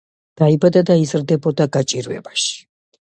დაიბადა და იზრდებოდა გაჭირვებაში.